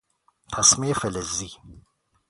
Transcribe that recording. تسمهی فلزی